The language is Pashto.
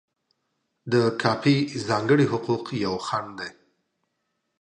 د کاپي ځانګړي حقوق یو خنډ دی.